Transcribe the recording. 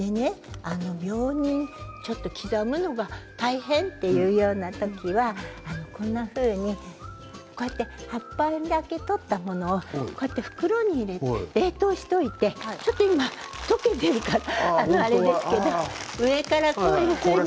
病人でちょっと刻むのが大変という時はこんなふうに葉っぱだけを取ったものを袋に入れて冷凍しておいて今ちょっととけているからあれですけど上からこういうふうに。